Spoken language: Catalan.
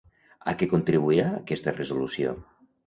A què contribuirà aquesta resolució?